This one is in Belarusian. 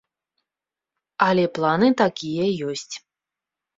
Але планы такія ёсць.